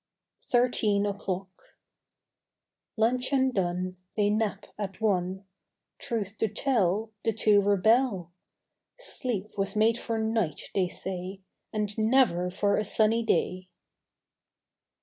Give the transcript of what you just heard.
THIRTEEN O'CLOCK L uncheon done, ^ They nap at one; Truth to tell, The two rebel. Sleep was made for night, they say. And never for a sunny day!